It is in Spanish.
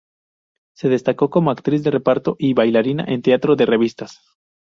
Se destacó como actriz de reparto y bailarina en teatro de revistas.